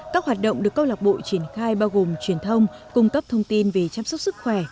các hoạt động được câu lạc bộ triển khai bao gồm truyền thông cung cấp thông tin về chăm sóc sức khỏe